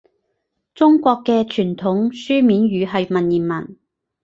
中國嘅傳統書面語係文言文